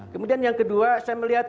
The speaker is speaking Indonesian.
kemudian yang kedua saya melihat